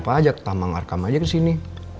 apa apa aja ketama ngarkam aja kesini